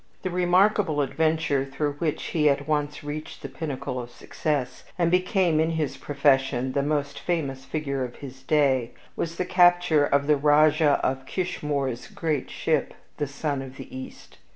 The remarkable adventure through which he at once reached the pinnacle of success, and became in his profession the most famous figure of his day, was the capture of the Rajah of Kishmoor's great ship, The Sun of the East.